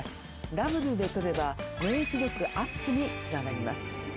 ダブルで取れば免疫力アップにつながります。